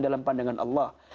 dalam pandangan allah